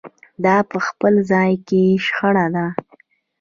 دا په خپل ځان کې شخړه ده.